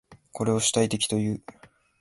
これを主体的という。